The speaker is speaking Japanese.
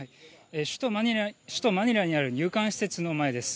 首都マニラにある入管施設の前です。